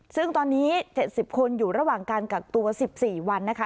ซึ่งตอนนี้เจ็ดสิบคนอยู่ระหว่างการกักตัวสิบสี่วันนะคะ